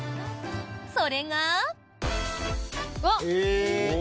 それが。